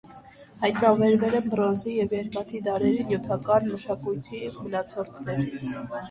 Հայտնաբերվել են բրոնզի և երկաթի դարերի նյութական մշակույթի մնացորդներ։